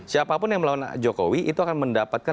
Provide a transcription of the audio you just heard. siapapun yang melawan jokowi itu akan mendapatkan